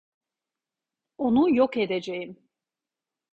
Onu yok edeceğim!